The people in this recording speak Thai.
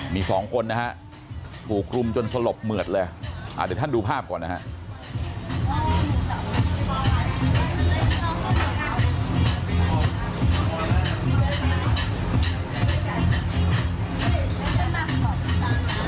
มีสองคนนะฮะถูกรุมจนสลบเหมือดเลยเดี๋ยวท่านดูภาพก่อนนะครับ